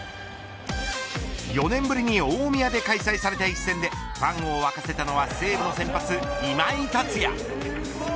４年ぶりに大宮で開催された一戦でファンを沸かせたのは西武の先発、今井達也。